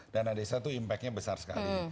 dana desa itu impactnya besar sekali